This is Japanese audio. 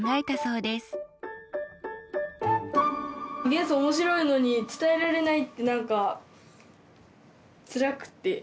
元素面白いのに伝えられないってなんかつらくてハハハ。